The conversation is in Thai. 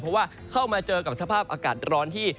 เพราะว่าเข้ามาเจอกับสภาพอากาศร้อนที่